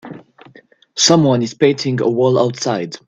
Someone is painting a wall outside.